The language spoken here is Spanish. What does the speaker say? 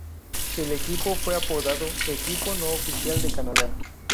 El equipo fue apodado "Equipo no oficial de Canadá".